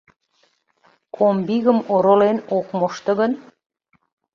Комбигым оролен ок мошто гын